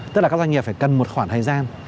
tức là các doanh nghiệp phải cần một khoảng thời gian